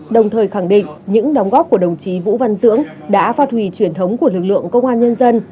đồng thời khẳng định những đóng góp của đồng chí vũ văn dưỡng đã phát huy truyền thống của lực lượng công an nhân dân